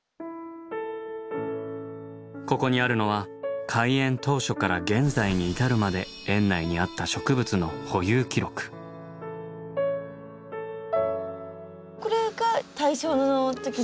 ここにあるのは開園当初から現在に至るまで園内にあったこれが大正の時の？